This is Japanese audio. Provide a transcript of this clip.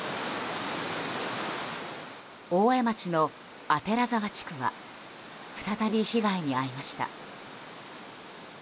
大江町の左沢地区は再び被害に遭いました。